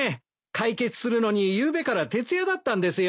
解決するのにゆうべから徹夜だったんですよ。